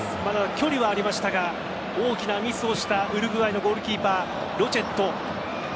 距離はありましたが大きなミスをしたウルグアイのゴールキーパーロチェット。